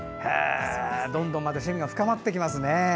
どんどん趣味が深まっていきますね。